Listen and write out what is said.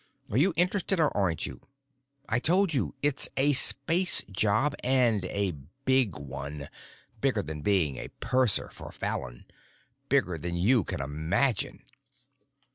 Are you interested or aren't you? I told you: It's a space job, and a big one. Bigger than being a purser for Fallon. Bigger than you can imagine."